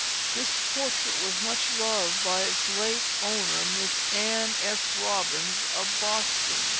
This portrait was much loved by its late owner, Miss Anne S. Robbins of Boston.